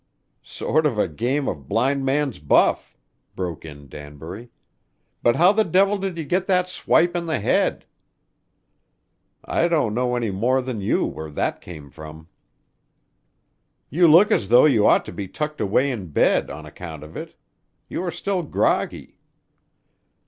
"Sort of a game of blind man's buff," broke in Danbury. "But how the devil did you get that swipe in the head?" "I don't know any more than you where that came from." "You look as though you ought to be tucked away in bed on account of it. You are still groggy."